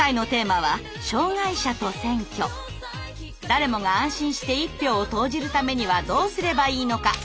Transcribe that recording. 誰もが安心して一票を投じるためにはどうすればいいのか。